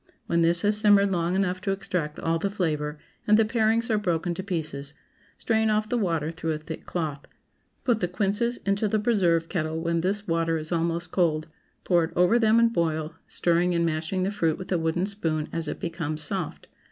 When this has simmered long enough to extract all the flavor, and the parings are broken to pieces, strain off the water through a thick cloth. Put the quinces into the preserve kettle when this water is almost cold, pour it over them and boil, stirring and mashing the fruit with a wooden spoon as it becomes soft.